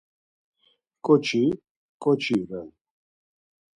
Ǩoçi ǩoçi ren.